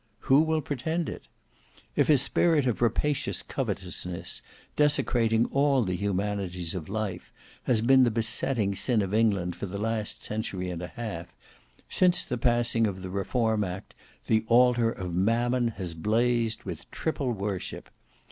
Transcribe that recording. Who will pretend it? If a spirit of rapacious coveteousness, desecrating all the humanities of life, has been the besetting sin of England for the last century and a half, since the passing of the Reform Act the altar of Mammon has blazed with triple worship.